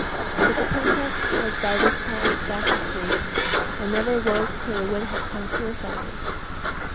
But the princess was by this time fast asleep, and never woke till the wind had sunk to silence.